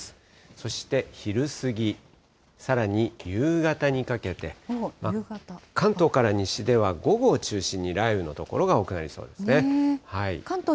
そして昼過ぎ、さらに夕方にかけて、関東から西では午後を中心に雷雨の所が多くなりそうですね。